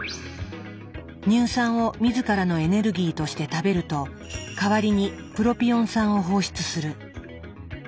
乳酸を自らのエネルギーとして食べると代わりにプロピオン酸を放出する。